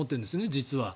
実は。